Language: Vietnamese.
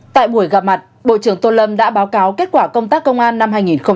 tại buổi gặp mặt bộ trưởng tô lâm đã báo cáo kết quả công tác công an năm hai nghìn hai mươi ba